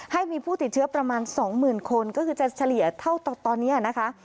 ให้มีผู้ติดเชื้อประมาณ๒๐๐๐คนก็คือจะเฉลี่ยเท่าตอนนี้นะคะ